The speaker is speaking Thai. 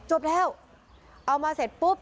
จบแล้วเอามาเสร็จปุ๊บ